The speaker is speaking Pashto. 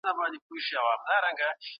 ته كه له ښاره ځې پرېږدې خپــل كــــــور